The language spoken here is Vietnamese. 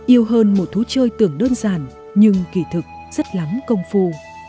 yêu hơn một thú chơi tưởng đơn giản nhưng kỳ thực rất lắm công phu